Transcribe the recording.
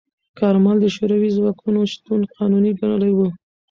کارمل د شوروي ځواکونو شتون قانوني ګڼلی و.